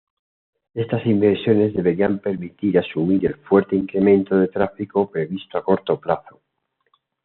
Estas inversiones deberían permitir asumir el fuerte incremento de tráfico previsto a corto plazo.